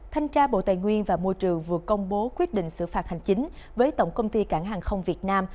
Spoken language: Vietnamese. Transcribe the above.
thanh tra bộ tài nguyên và môi trường vừa công bố quyết định xử phạt hành chính với tổng công ty cảng hàng không việt nam